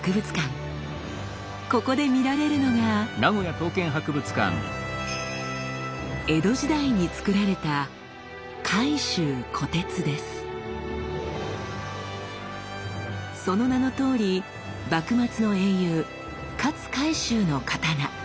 ここで見られるのが江戸時代につくられたその名のとおり幕末の英雄勝海舟の刀。